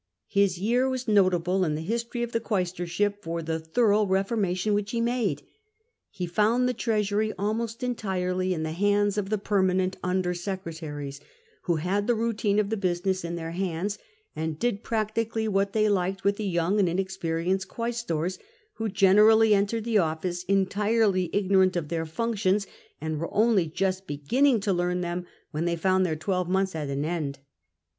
His year was notable in the history of the quaestorship for the thorough reformation which he made. He found the treasury almost entirely in the hands of the per manent under secretaries, who had the routine of the business in their hands, and did practically what they liked with the young and inexperienced quaestors, who generally entered the office entirely ignorant of their functions, and were only just beginning to learn them when they found their twelve months at an end.